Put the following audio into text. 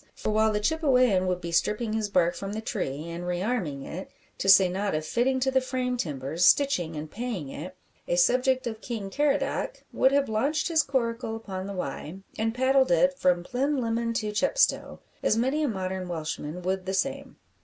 For while the Chippewayan would be stripping his bark from the tree, and re arming it to say nought of fitting to the frame timbers, stitching, and paying it a subject of King Caradoc would have launched his coracle upon the Wye, and paddled it from Plinlimmon to Chepstow; as many a modern Welshman would the same.